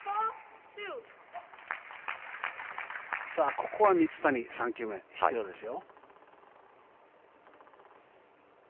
ここは水谷３球目が必要ですよ。